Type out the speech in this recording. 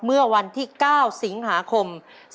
เมื่อวันที่๙สิงหาคม๒๕๖